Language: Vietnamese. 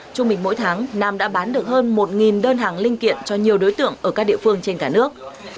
trung bình mỗi tháng nam đã bán được hơn một đơn hàng linh kiện cho nhiều đối tượng ở các địa phương trên cả nước